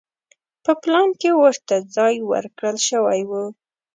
په پلان کې ورته ځای ورکړل شوی و.